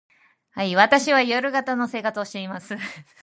私は夜型の生活をしています。